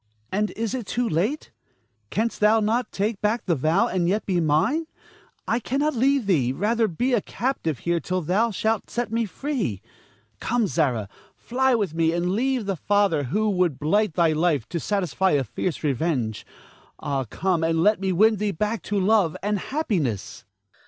Ernest. And is it yet too late? Canst thou not take back the vow, and yet be mine? I cannot leave thee, rather be a captive here till thou shalt set me free. Come, Zara, fly with me, and leave the father who would blight thy life to satisfy a fierce revenge. Ah, come and let me win thee back to love and happiness.